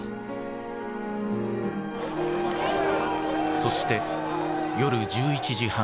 そして夜１１時半。